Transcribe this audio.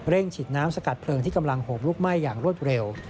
ฉีดน้ำสกัดเพลิงที่กำลังโหมลุกไหม้อย่างรวดเร็ว